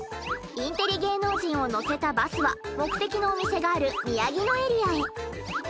インテリ芸能人を乗せたバスは目的のお店がある宮城野エリアへ。